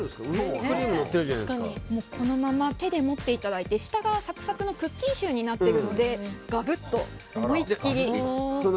このまま手で持っていただいて下がサクサクのクッキーシューになってるのでガブッと思い切り。